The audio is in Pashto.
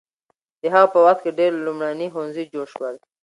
د هغه په وخت کې ډېر لومړني ښوونځي جوړ شول.